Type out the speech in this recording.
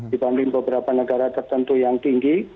dibanding beberapa negara tertentu yang tinggi